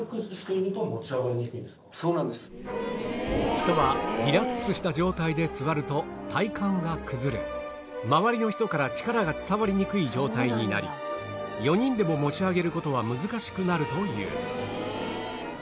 人はリラックスした状態で座ると体幹が崩れ周りの人から力が伝わりにくい状態になり４人でも持ち上げる事は難しくなるという